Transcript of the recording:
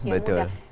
pada waktu yang muda